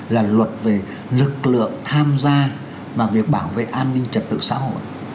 là luật về lực lượng tham gia vào việc bảo vệ an ninh trật tự xã hội